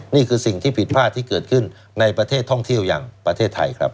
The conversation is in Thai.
นี่คือสิ่งที่ผิดพลาดที่เกิดขึ้นในประเทศท่องเที่ยวอย่างประเทศไทยครับ